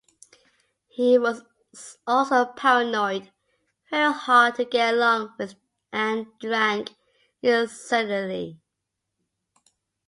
He was also paranoid, very hard to get along with and drank incessantly.